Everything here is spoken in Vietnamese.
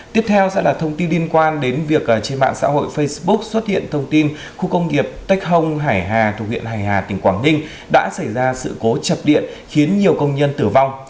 tiếp theo sẽ là thông tin liên quan đến việc trên mạng xã hội facebook xuất hiện thông tin khu công nghiệp tech hong hải hà thuộc huyện hải hà tỉnh quảng ninh đã xảy ra sự cố chập điện khiến nhiều công nhân tử vong